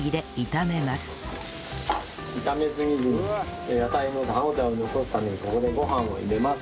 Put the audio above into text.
炒めすぎずに野菜の歯応えを残すためにここでご飯を入れます。